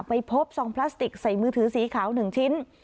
ไปพบซองพลาสติกใส่มือถือสีขาว๑ชิ้น